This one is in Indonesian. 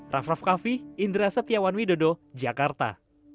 raff raff kaffi indra setiawan widodo jakarta